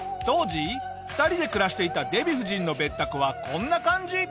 当時２人で暮らしていたデヴィ夫人の別宅はこんな感じ！